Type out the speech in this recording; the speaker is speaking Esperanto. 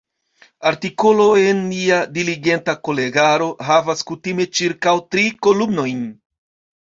Artikolo en Nia diligenta kolegaro havas kutime ĉirkaŭ tri kolumnojn.